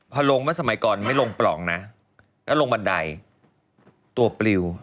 พอลงเมื่อสมัยก่อนไม่ลงปล่องนะแล้วลงบันไดตัวปลิว